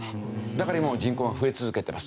だから今も人口が増え続けてます。